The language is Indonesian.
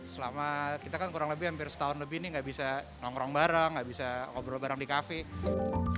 selama kita kan kurang lebih hampir setahun lebih ini gak bisa nongkrong bareng gak bisa obrol bareng di kafe